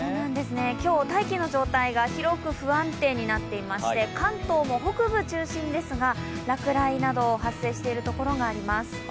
今日、大気の状態が広く不安定になっていまして、関東も北部中心ですが落雷など発生している所があります。